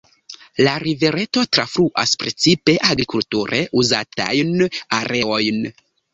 La rivereto trafluas precipe agrikulture uzatajn areojn.